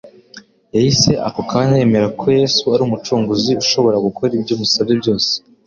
yahise ako kanya yemera ko Yesu ari Umucunguzi ushobora gukora ibyo amusabye byose.